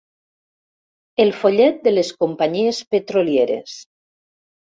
El follet de les companyies petrolieres.